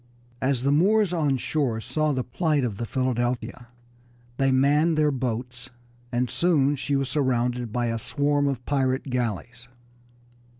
As the Moors on shore saw the plight of the Philadelphia they manned their boats, and soon she was surrounded by a swarm of pirate galleys.